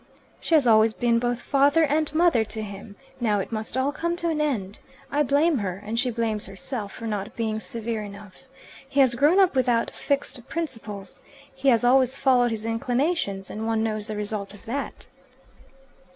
"She has always been both father and mother to him. Now it must all come to an end. I blame her and she blames herself for not being severe enough. He has grown up without fixed principles. He has always followed his inclinations, and one knows the result of that."